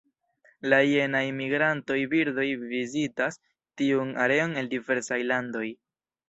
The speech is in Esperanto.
La jenaj migrantaj birdoj vizitas tiun areon el diversaj landoj.